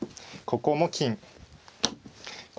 ここも金。